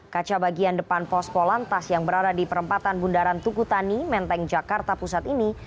kaca bagian depan pos polantas yang berada di perempatan bundaran tukutani menteng jakarta pusat ini